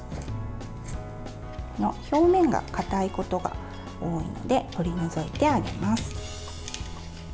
表面がかたいことが多いので取り除いてあげます。